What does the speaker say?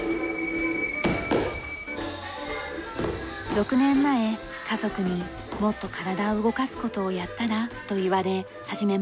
６年前家族に「もっと体を動かす事をやったら」と言われ始めました。